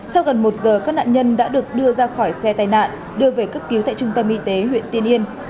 sau gần một giờ các nạn nhân đã được đưa ra khỏi xe tài nạn đưa về cấp cứu tại trung tâm y tế huyện tiên yên